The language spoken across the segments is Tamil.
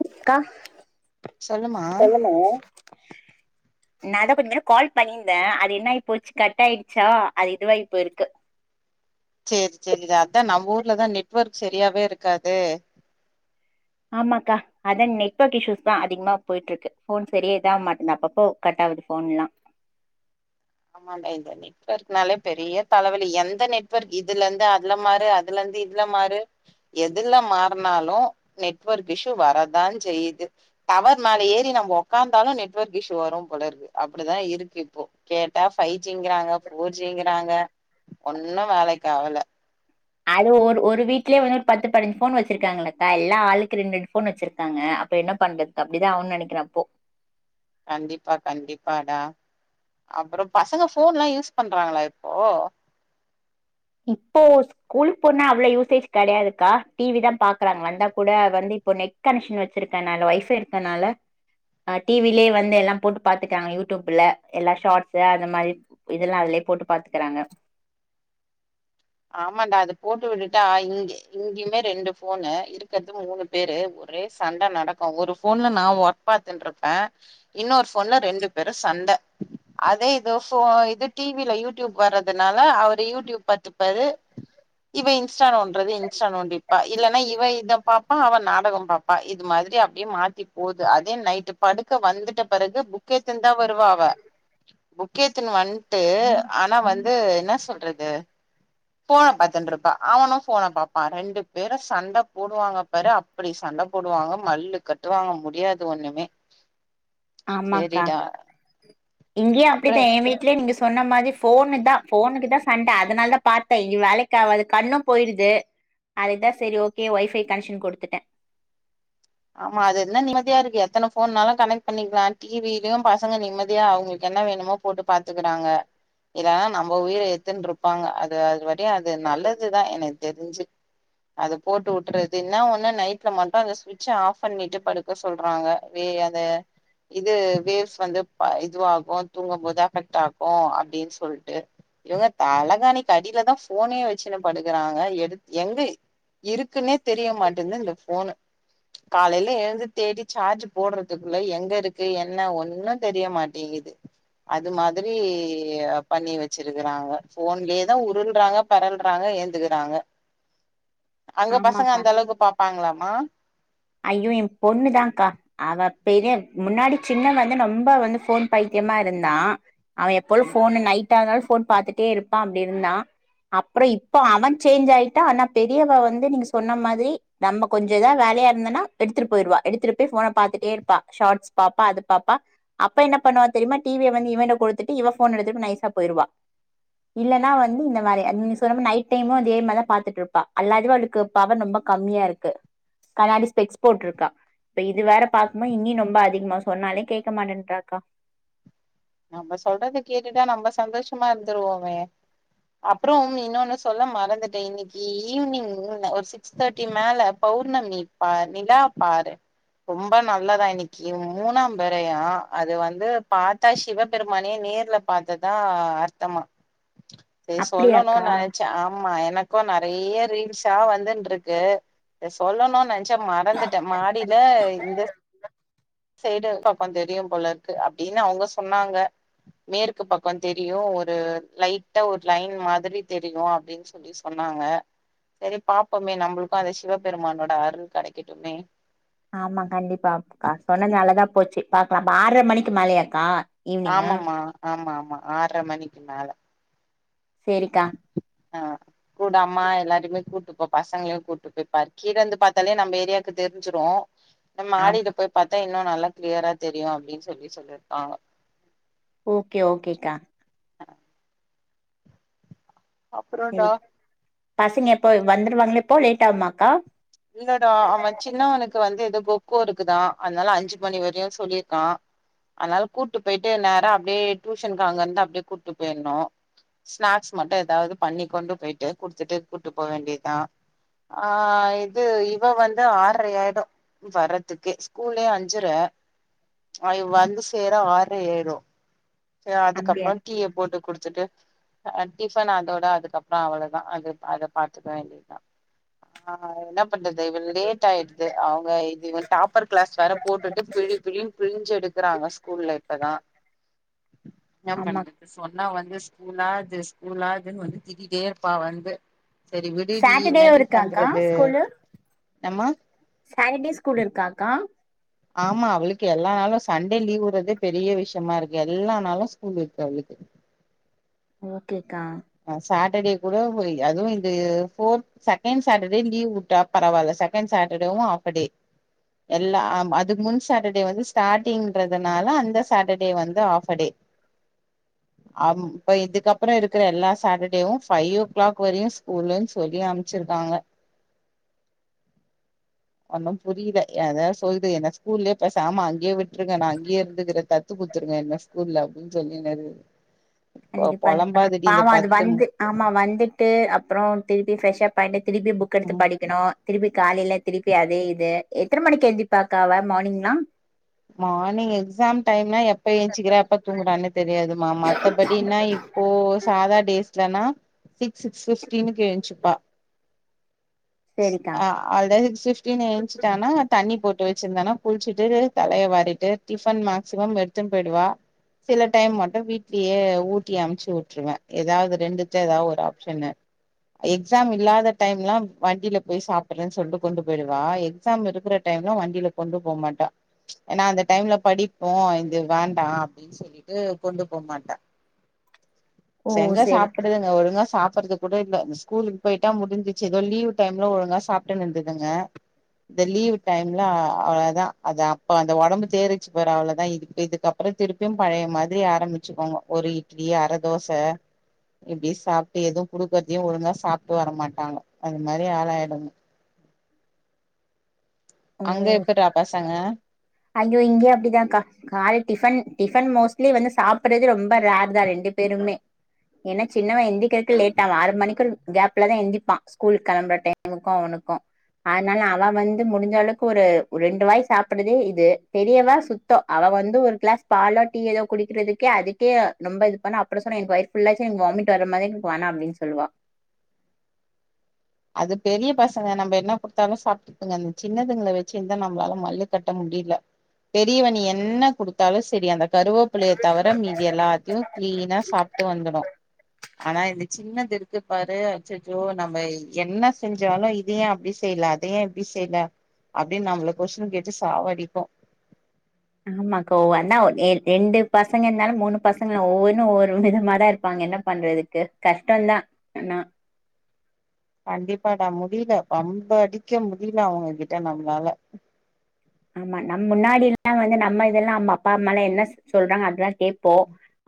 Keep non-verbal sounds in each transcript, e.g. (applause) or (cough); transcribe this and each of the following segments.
(inaudible) க்கா சொல்லுமா சொல்லுங்க நா என்ன பண்ணே கால் பண்ணீர்ந்தே அது என்னாயி போச்சு கட்டாய்ட்ச்சா அது இதுவாயி போய்ருக்கு சேரி சேரிடா அதா நம்ம ஊர்லதா நெட்வொர்க் செரியாவே இருக்காதே ஆமாக்கா அதா நெட்வொர்க் இஷ்ஷுஸ் தா அதிகமா போய்ட்ருக்கு ஃபோன் செரியா இதாக் மாட்டுன்து அப்பப்போ கட்டாகுது ஃபோன் எல்லா ஆமான்டா இதான நெட்வொர்க்னாலே பெரிய தலவலி எந்த நெட்வொர்க் இதுலர்ந்து அதுல மாற அதுலர்ந்து இதுல மாறு எதுல மாறுனாலு நெட்வொர்க் இஷ்ஷு வரதாஞ்செய்யிது டவர் மேல ஏறி நம்ம ஒக்காந்தாலு நெட்வொர்க் இஷ்ஷு வரும்போலருக்கு அப்பிடிதா இருக்கு இப்போ கேட்டா ஃபை ஜி ங்கறாங்க ஃபோர் ஜி ங்கறாங்க ஒன்னு வேலைக் ஆவல அது ஒரு ஒரு வீட்லே வந்து ஒரு பத்து பதினஞ்சு ஃபோன் வெச்சிருக்காங்கல்லக்கா எல்லா ஆளுக்கு ரெண் ரெண்டு ஃபோன் வெச்சிருக்காங்க அப்ப என்ன பண்றது அப்டிதா ஆவுன் நெனைக்கிறே அப்போ கண்டிப்பா கண்டிப்பாடா அப்பறோ பசங்க ஃபோன்லா யூஸ் பண்றாங்களா இப்போ இப்போ ஸ்கூலுக் போனா அவ்ளோ யூசேஜ் கெடையாதுக்கா டி வி தா பாக்கறாங் வந்தா கூட வந்து இப்ப நெட் கனெக்ஷன் வெச்சிருக்கனால ஒய்ஃபை இருக்கனால அ டி வி லே வந்து எல்லா போட்டு பாத்துக்றாங்க யூடியூபுல எல்லா ஷாட்ஸ்ஸு அந்த மாரி இதெல்லா அதுலே போட்டு பாத்துக்கறாங்க ஆமான்டா அத போட்டு விட்டுட்டா இங்க இங்கயுமே ரெண்டு ஃபோனு இருக்கற்து மூணு பேரு ஒரே சண்ட நடக்கு ஒரு ஃபோன்ல நா ஒர்க் பாத்துன்ருப்பே இன்னோர் ஃபோன்ல ரெண்டு பேரு சண்ட அதே இது ஃபோ இது டி வி ல யூடியூப் வரதுனால அவரு யூடியூப் பாத்துப் பாரு இவ இன்ஸ்ட்டா நோண்றது இன்ஸ்ட்டா நோண்டிர்ப்பா இல்லனா இவ இத பாப்பா அவ நாடகம் பாப் பா இது மாதிரி அப்டியே மாத்தி போது அதே நைட்டு் படுக்க வந்துட்ட பெறகு புக் எத் துன் தா வருவா அவ புக் எத்துனு வந்ட்டு ஆனா வந்து என்னா சொல்றது ஃபோன பாத்துன்ருப்பா அவனு ஃபோன பாப்பா ரெண்டு பேரு சண்ட போடுவாங்க பாரு அப்பிடி சண்ட போடுவாங்க மல்லு கட்டுவாங்க முடியாது ஒன்னுமே ஆமாக்கா இங்யு அப்றோ அப்டித்தா எ வீட்லயு நீங்க சொன்ன மாதி ஃபோனு தா ஃபோனுக்கு தா சண்டை அதனால தா பாத்தே இ வேலைக்கு ஆவாது கண்ணு போயிருது அதுக்குதா சரி ஓகே ஒய்ஃபை கனெக்க்ஷன் கொடுத்துட்டே ஆமா அது இருந்தா நிம்மதியா இருக்கு எத்தன ஃபோன்னாலு கனெக்ட் பண்ணிக்கலா டிவிலயு பசங்க நிம்மதியா அவுங்களுக்கு என்ன வேணுமோ போட்டு பாத்துக்குறாங்க இதா நம்ம உயிர எத்துனுருப்பாங்க அது அது ப்படியு அது நல்லதுதா எனக்கு தெரிஞ்சு அது போட்டு விட்டுறது இன்னா ஒன்னு நைட்ல மட்டு அந்த ஸ் ச்ச ஃஆப் பண்ணிட்டு படுக்க சொல்றாங்க வே அத இது வேவ்ஸ் வந்து ப இதுவாகு தூங்கம் போது அஃபெக்ட் ஆகு அப்டின்னு சொல்ட்டு இவுங்க தலகாணிக்கடில தா ஃபோனே வச்சுன்னு படுக்குறாங்க எடு எங்க இருக்குன்னே தெரிய மாட்டேது இந்த ஃபோனு காலைல எழுந்து தேடி சார்ஜ் போடுறதுக்குள்ள எங்க இருக்கு என்ன ஒன்னு தெரியமாட்டேங்கிது அது மாதிரி பண்ணி வச்சிருக்குறாங்க ஃபோன்லயே தா உருள்றாங்க பெரல்றாங்க ஏந்துகுறாங்க அங்க பசங்க ஆமாக்கா அந்த அளவுக்கு பாப்பாங்களாமா ஐயோ என் பொண்ணு தா கா அவ பெரிய முன்னாடி சின்ன வந்து ரொம்ப வந்து ஃபோன் பைத்தியமா இருந்தா அவன் எப்போழு ஃபோனு நைட் ஆனாலு ஃபோன் பாத்துட்டே இருப்பா அப்டி இருந்தா அப்புற இப்ப அவன் சேஞ்ச் ஆயிட்டா ஆனா பெரியவ வந்து நீங்க சொன்ன மாதிரி நம்ம கொஞ்ச இதா வேலையா ந்தனா எடுத்துட்டு போயிடுவா எடுத்துட்டு போய் ஃபோன பாத்துட்டே இருப்பா ஷார்ட்ஸ் பாப்பா அது பாப்பா அப்ப என்ன பண்ணுவா தெரிமா டிவிய வந்து இவன்ட கொடுத்துட்டு இவ ஃபோன எடுத்துட்டு நைசா போய்டுவா இல்லேனா வந்து இந்த மாரி நீ சொன்ன மாரி நைட் டைமு இதே மாரி தா பாத்துட்டு இருப்பா அல்லாது அவளுக்கு பவன் ரொம்ப கம்மியா இருக்கு கண்ணாடி ஸ்பெக்ஸ் போட்ருக்கா இப்ப இது வேற பாக்குபோ இனி ரொம்ப அதிகமா சொன்னாலே கேக்க மாட்டேன்றாக்கா நம்ம சொல்றத கேட்டுட்டா நம்ப சந்தோஷமா இருந்துருவோமே அப்புறம் இன்னொன்னு சொல்ல மறந்துட்டே இன்னைக்கு ஈவினிங் ஒரு சி சிக்ஸ் தேட்டி மேல பௌர்ணமி பா நிலா பாரு ரொம்ப நல்ல தா இன்னைக்கு மூணாம் பிரையா அது வந்து பா தா சிவபெருமானே நேர்ல பாத்ததா அர்த்தமா இது சொல்லணுனு அப்படியாக்கா நெனைச்சே ஆமா எனக் க்கு நெறைய ரீல்ஸா வந்துன்டு இருக்கு இ சொல்லணு நெ ச மறந்துட்டே மாடில இத சைடு பாப்பன் தெரியும் போல இருக்கு அப்டின்னு அவுங்க சொன்னாங்க மேற்கு பக்கம் தெரியு ஒரு லைட்டா ஒரு லைன் மாதிரி தெரியு அப்டின் சொ அப்டி சொன்னாங்க சரி பாப்போமே நம்மளுக்கு அந்த சிவபெருமானோட அருள் கெடைக்கட்டுமே ஆமா கண்டிப்பா அக்கா சொன்னது நல்லதா போச்சு பாக்கலாம் ஆறரை மணிக்கு மேலையாக்கா ஆமா மா ஆமா ஆமா ஆற மணிக்கு மேல சேரிக்கா ஆ கூட அம்மா எல்லாருமே கூட்டுப்போ பசங்களையு கூட்டு போய் பாரு கீழ இருந்து பாத்தாலே நம்ப ஏரியாக்கு தெரி்ஞ்சுரு இந்த ஆமா மாடில போய் பாத்தா இன்னு மாடில போய் பாத்தா இன்னு நல்லா கிளியரா தெரியு அப்டின் சொல்லி சொல்லிருக்காங்க ஓகே ஓகேக்கா சேரி அப்புறம்டா பசங்க எப்போ வந்துருவாங்களா இப்போ லேட் ஆகுமாக்கா இல்லடா அவ சின்னவனுக்கு வந்து எதோ கொக்கோ இருக்குதா அதனால அஞ்சு மணி வரையு சொல்லிருக்கா அதனால கூட்டு போயிட்டு நேரா அப்டியே டியூஷனுக்கு அங்கருந்து அப்டியே கூட்டு போயிர்ணு ஸ்நாக்ஸ் மட்டு எதாவ்து பண்ணி கொண்டு போயிட்டு குடுத்துட்டு கூட்டு போ வேண்டியதா ஆ இத் து இவ வந்து ஆற்ரை ஆயிடு வர்றதுக்கே ஸ்கூல்லே அஞ்சற அ இவ வந்து சேற ஆற்ரை ஆயிரு சேர் அப்படியா அதுக்கப்பற டீய போட்டு குடுத்துட்டு அ டிஃபன் அதோட அதுக்கப்றோ அவளதா அது அத பாத்துக்க வேண்டியதுதா ஆ என்னப் பண்றது இவ லேட் ஆயிடுது அவுங்க இது டாப்பர் கிளாஸ் வேற போட்டுட்டு பிழி பிழின் பிழிஞ்சு எடுக்குறாங்க ஸ்கூல்ல இப்பதா என்ன ஆமா பண்ண சொன்னா வந்து ஸ்கூலா இது ஸ்கூலா இதுன் வந்து திட்டிட்டே இருப்பா வந்து செரி விடுடி சாட்டர்டே என்னடி இருக்காக்கா பண்றது எம்மா சாட்டடே ஸ்கூல் இருக்காக்கா ஆமா அவளுக்கு எல்லா நாளு சண்டே லீவ்வுட்றதே பெரிய விஷ்யமா இருக்கு எல்லா நாளு ஸ்கூல் இருக்கு அவளுக்கு ஓகேக்கா அ சாட்டர்டே கூட போய் அதுவு இந்த ஃபோர்த் செகண்ட் சாட்டர்டே லீவ் வுட்டா பரவால்ல செகண்ட் சாட்டர்டேவு ஆஃப்படே எல்லாம் அதுக்கு முன் சாட்டர்டே வந்து ஸ்டாடிங்ன்றதுனால அந்த சாட்டர்டே வந்து ஆஃப்படே அம் இப்ப இதுக்கப்பற இருக்குற எல்லா சாட்டர்டேவு ஃபைவ் ஓ கிளாக் வரையு ஸ்கூல்ன் சொல்லி அம்ச்சிருக்காங்க ஒன்னு புரியில எ அதா சொல்து என்ன ஸ்கூல்லே பேசாம அங்கயே விட்ருங்க நா அங்கயே இருந்துக்கிறே தத்து குட்த்துருங்க என்ன ஸ்கூல்ல அப்டின் சொல்லின் இருக்குது கண்டிப்பா இது பண்ணு பாவ அது பத்து வந்து ஆமா வந்துட்டு அப்றோ திருப்பி ஃப்ரெஷ்ஷப்பாய்ட்டு திருப்பி புக் எடுத்து ம் படிக்கணு திருப்பி காலைல திருப்பி அதே இது எத்தன மணிக்கு எந்ரிப்பாக்கா அவ மார்னிங்லா மார்னிங் எக்ஸாம் டைம்னா எப் எப்ப ஏஞ்ச்சுக்கிறா எப்ப தூங்குறானே தெரியாதுமா மத்தபடினா இப்போ சாதா டேஸ்லனா சிக்ஸ் சிக்ஸ் ஃபிப்டீனுக்கு ஏஞ்ச்சுப்பா சேரிக்கா ஆ ஆல்ரெடி ஃபிப்டின் ஏஞ்சிட்டானா தண்ணி போட்டு வெச்சிருந்தனா குளிச்சிட்டு தலைய வாரிட்டு டிஃபன் மேக்சிமம் எடுத்துன் போய்டுவா சில டைம் மட்டு வீட்லயே ஊட்டி அம்ச்சு வுட்டுருவ எதாவ்து ரெண்டுத்துல எதா ஒரு ஆப்ஷனு எக்ஸாம் இல்லாத டைம்லா வண்டில போய் சாப்புட்றேன் சொல்ட்டு கொண்டு போயிருவா எக்ஸாம் இருக்குற டைம்லா வண்டில கொண்டு போ மாட்டா ஏனா அந்த டைம்ல படிப்போ இது வேண்டா அப்டின் சொல்லிட்டு கொண்டு போ மாட்டா ஓ ஸ் எங்க சேரி சாப்புடுதுங்க ஒழுங்கா சாப்புட்றதுக் கூட இல்ல இந்த ஸ்கூலுக்கு போயிட்டா முடிஞ்சிச்சு எதோ லீவு டைம்ல ஒழுங்கா சாப்ட்டுனு இருந்ததுங்க இந்த லீவு டைம்ல அவ்ளதா அதா இப்ப அந்த ஒடம்பு தேரிச்சு பாரு அவளதா இதுக் இதுக்கப்றோ திருப்பியு பழைய மாதிரி ஆரம்மிச்சுக்கோங்க ஒரு இ இட்லி அர தோச இப்டி சாப்ட்டு எது குடுக்கறதையு ஒழுங்கா சாப்ட்டு வரமாட்டாங்க அது மாரி ஆளாயிடனு ஓ அங்க எப்புட்றா பசங்க ஐயோ இங்கயு அப்டிதாக்கா கால டிஃபன் டிஃபன் மோஸ்ட்லி வந்து சாப்புட்றது ரொம்ப ரேரு தா ரெண்டு பேருமே என்ன சின்னவ எந்திக்கிறக்கு லேட் ஆவு ஆறு மணிக்கு கேப்லாதா எந்திப்பா ஸ்கூலு களம்புற டைம் முக்கு அவனுக்கு அதனால அவ வந்து முடிஞ்ச அளவுக்கு ஒரு ஒரு ரெண்டு வாய் சாப்பிட்றதே இ து பெரியவ சுத்தோ அவ வந்து ஒரு கிளாஸ் பாலோ டீ ஏதோ குடிக்கிறதுக்கே அதுக்கே ரொம்ப இது பண்ண அப்பறோ சொன்னா எனக்கு வயிறு ஃபுல்லாயிச்சு எனக்கு வாமிட் வர மாதிரி இருக்கு எனக்கு வேணா அப்டினு சொல்லுவா அது பெரிய பசங்க நம்ம என்ன குடுத்தாலு சாப் டுங்க அந்த சின்னதுங்கள வச்சுனுதா நம்மளால மல்லு கட்ட முடில பெரியவ நீ என்ன குடுத்தாலு சேரி அந்த கருவேப்புல்லையை தவர மீதி எல்லாத்தையு கிளீனா சாப்ட்டு வந்துடு, ஆனா இந்த சின்னது இருக்கு பாரு அச்சச்சோ நம்ம என்ன செஞ்சாலு இது ஏ அப்டி செய்யல அது ஏ இப்டி செய்யல அப்டின்னு நம்மள கொஸ்டின் கேட்டு சாவடிக்கு ஆமாக்கா ஒன்னா ரெ ரெண்டு பசங்க இருந்தாலு மூணு பசங்களு ஒவ்வொன்னு ஒவ்வொரு விதமாதா இருப்பாங்க என்ன பண்றதுக்கு கஷ்டம்தா ஆனா கண்டிப்பாடா முடில வம்பு அடிக்க முடில அவங்க கிட்ட நம்மளால ஆமா நம் முன்னாடி எல்லா வந்து நம்ம இதெல்லா நம்ம அப்பா அம்மாலா என்ன சொல்றாங்க அதுதா கேப்போ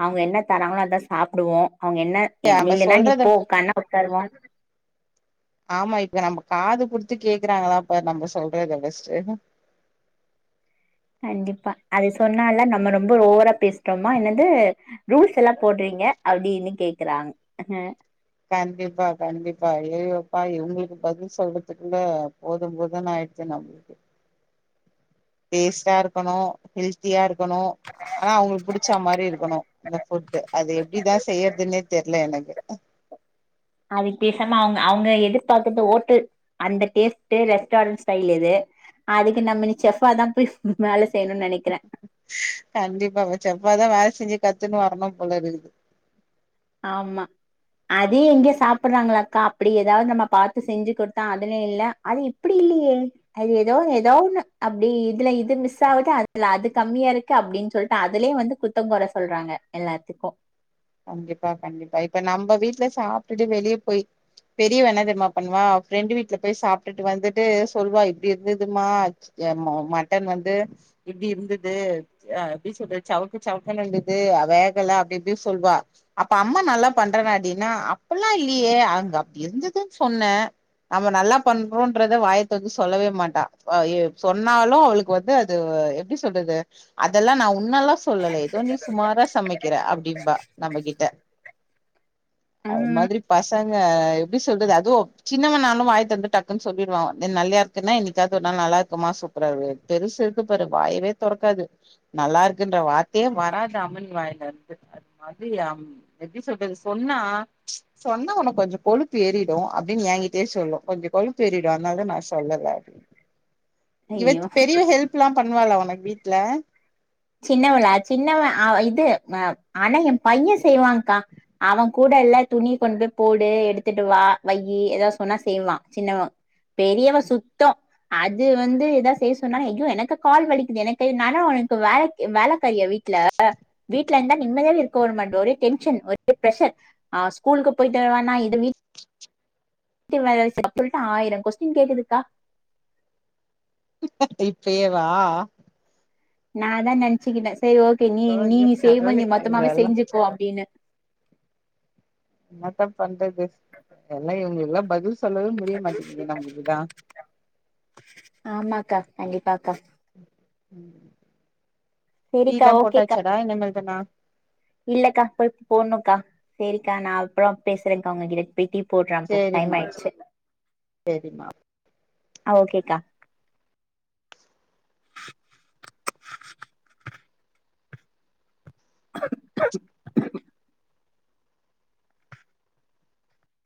அவங்க என்ன தராங்களோ அதா சாப்பிடுவோ அவங்க என்ன நம்ம நில்லுனா சொல்றத நிப்போ உக்காருனா உக்காருவோ ஆமா இப்ப நம்ம காது குடுத்து கேக்குறாங்களா பாரு நம்ம சொல்றதுத ஃப்ஸ்ட் கண்டிப்பா அது சொன்னாலா நம்ம ரொம்ப ஒவரா பேசிட்டோமா என்னது ரூல்ஸ் எல்லா போடுறீங்க அப்டின்னு கேக்குறாங்க கண்டிப்பா கண்டிப்பா அய்யயோப்பா இவங்களுக்கு பதில் சொல்றதுக்குள்ள போதும் போதுனு ஆயிடுது தினமு டேஸ்ட்டா இருக்கணு ஹெல்த்தியா இருக்கணு ஆனா அவங்களுக்கு புடிச்சா மாரி இருக்கணு இந்த ஃபுட் அது எப்டிதா செய்யறதுன்னே தெரில எனக்கு அதுக்கு பேசாம அவங்க அவங்க எதிர்பாக்கறது ஓட்டு அந்த டேஸ்ட் ரெஸ்டாரண்ட் ஸ்டைல் இது அதுக்கு நம்ம இனி செஃப்பாதா போய் வேல செய்யணுனு நெனைக்கிறே கண்டிப்பா செஃப்பாதா வேல செஞ்சு கத்துன்னு வரணு போல இருக்குது ஆமா அது எங்க சாப்புட்றாங்களா அக்கா அப்டி ஏதாவது நம்ம பாத்து செஞ்சு குடுத்தா அதுலையு இல்ல அது இப் ப்டி இல்லையே அது ஏதோ ஏதோ ஒன்னு அப்டி இதுல இது மிஸ் ஆவுது அதுல அது கம்மியா இருக் கு அப்டின்னு சொல்ட்டு அதுலயு வந்து குத்தங்கொற சொல்றாங்க எல்லாத்துக்கு கண்டிப்பா கண்டிப்பா இப்ப நம்ப வீட்ல சாப்டுட்டு வெளியே போய் பெரியவ என்ன தெரியமா பண்ணுவா அவ ஃப்ரெண்டு வீட்ல போய் சாப்டுட்டு வந்துட்டு சொல்லுவா இப்டி இருந்துதுமா ஏ மோ மட்டன் வந்து இப்டி இருந்து து அ அப்படி சொல்லிட்டு சவுக்கு சவுக்கு இருந்துது வேகல அப்டி இப்டி சொல்லுவா அப்ப அம்மா நல்லா பண்றேனாடி அப்டின்னா அப்டில்லா இல்லையே அங்க அப்டி இருந்துதுன்னு சொன்னே நம்ம நல்லா பண்றோன்றத வாய தொறந்து சொல்லவே மாட்டா அ எ சொன்னாலு அவளுக் கு வந்து அது எப்டி சொல்றது அதெல்லா நா உன்னலா சொல்லல ஏதோ நீ சுமாரா சமைக்கிற அப்படிம்பா நம்மகிட்ட அது ம் மாதிரி பசங்க எப்டி சொல்றது அதுவு சின்னவனாலு வாய் தொறந்து டக்குன்னு சொல்லிருவா நல்லயா இருக் குனா என்னைக்காவது ஒருநாள் நல்லா இருக்குமா சூப்பரா இருக்கு பெருசு இருக்கு பாரு வாயவே தொறக்காது நல்லா இருக்குன்ற வார்த்தையே வராது அமன் வாயில இருந்து அது மாதிரி எப்டி சொல்றது சொன்னா சொன்னா உனக்கு கொஞ்சோ கொழுப்பு ஏறிடு அப்டின்னு ஏங்கிட்டயே சொல்லு, கொஞ்சோ கொழுப்பு ஏறிடு அதனாலதா நா சொல்லல அப்டின்னு இவ ஐயோ பெரியவ ஹெல்ப்ல்லா பண்ணுவாலா உனக்கு வீட்ல சின்னவலா சின்னவன ஆ இது அ ஆனா ஏ பைய செய்வாங்க்கா அவ கூட எல்லா துணி கொண்டு போய் போடு எடுத்துட்டு வா வையி ஏதா சொன்னா செய்வா சின்னவ பெரியவ சுத்தோ அது வந்து ஏதா செய்ய சொன்னா ஐயோ எனக்கு கால் வலிக்குது எனக்கு கை நானு வேல வேலக்காரியா வீட்ல வீட்ல இருந்தா நிம்மதியாவே இருக்க உட மாட்ட ஒரே டென்ஷன் ஒரே ப்ரஷர் ஆ ஸ்கூலுக்கு போய்ட்டு வருவானா இது வீட் வீட்டு வேல செய்துக்கு ஆயிரோ கொஸ்டின் கேக்குதுக்கா இப்பயேவா நாந்தா நெனச்சிகின்ன சரி ஓகே நீ நீ ஐயோ நீ செய்வ கடவுளே நீ மொத்தமாவே இவங்கல்லா செஞ்சுக்கோ அப்டின்னு என்னத்த பண்றது எல்லா இவங்க எல்லா பதில் சொல்லவே முடிய மாட்டேங்குது நம்ளுக்கு தா ஆமாக்கா கண்டிப்பாக்கா செரிக்கா டீலா ஓகேக்கா போட்டாச்சாடா இனிமேல் தானா இல்லக்கா போய் போட்ணுக்கா சேரிக்கா நா அப்றோ பேசுறன்க்கா உங்க கிட்ட போய் டீ போட்ற அப்போ டைம் டைம் ஆய்ச்சு சேரிமா ஆ ஓகேக்கா